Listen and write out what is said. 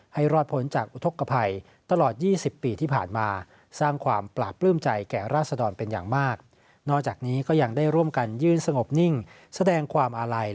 ให้รอดผลจากอุทกภัยตลอด๒๐ปีที่ผ่านมา